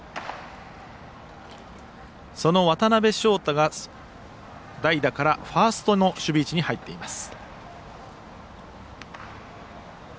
その渡邊翔太が、代打からファーストの守備位置に入っています。